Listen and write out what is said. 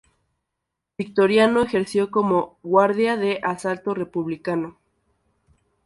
Victorino ejerció como Guardia de Asalto republicano.